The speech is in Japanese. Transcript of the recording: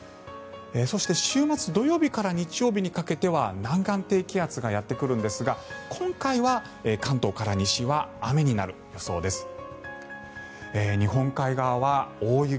そして、週末土曜日から日曜日にかけては南岸低気圧がやってくるんですが今回は関東から西は雨になる予想です。